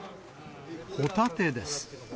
ホタテです。